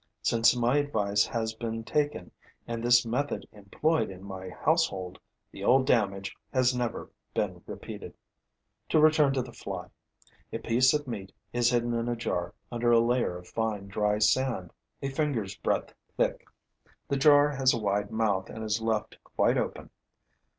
Since my advice has been taken and this method employed in my household, the old damage has never been repeated. To return to the fly. A piece of meat is hidden in a jar under a layer of fine, dry sand, a finger's breadth thick. The jar has a wide mouth and is left quite open.